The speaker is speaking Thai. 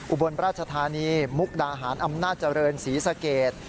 อุบลราชธานีมุกดาหารอำนาจเจริญศรีสะเกด